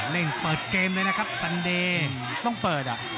่งเปิดเกมเลยนะครับสันเดย์ต้องเปิดอ่ะ